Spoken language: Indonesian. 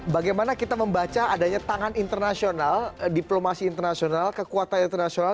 bagaimana kita membaca adanya tangan internasional diplomasi internasional kekuatan internasional